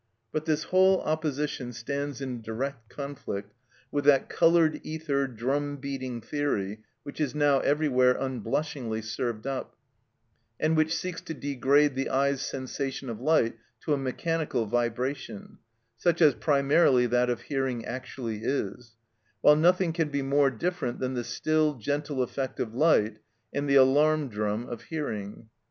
But this whole opposition stands in direct conflict with that coloured ether, drum beating theory which is now everywhere unblushingly served up, and which seeks to degrade the eye's sensation of light to a mechanical vibration, such as primarily that of hearing actually is, while nothing can be more different than the still, gentle effect of light and the alarm drum of hearing.